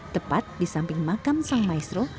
tepat di samping makam sang maestro